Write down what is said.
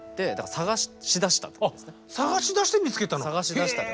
探しだして見つけたの。